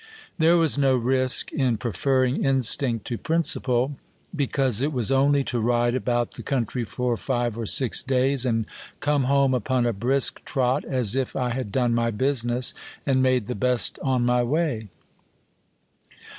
There was no risk in preferring instinct to principle : because it was only to ride about the country for five or six days, GIL BLAS STEWARD TO DON ALPHOXSO. in and come home upon a brisk trot as if I had done my business and made the best of my way.